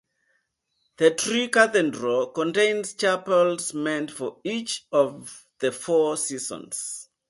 The Tree Cathedral contains chapels meant for each of the four seasons.